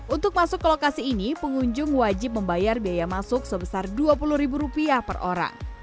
untuk masuk ke lokasi ini pengunjung wajib membayar biaya masuk sebesar rp dua puluh per orang